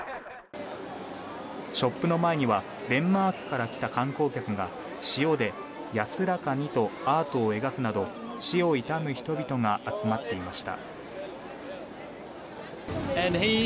ショップの前にはデンマークから来た観光客が塩で、安らかにとアートを描くなど死を悼む人々が集まっていました。